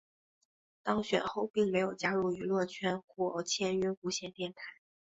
当选后并没有加入娱乐圈或签约无线电视。